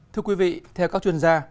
thưa quý vị theo các chuyên gia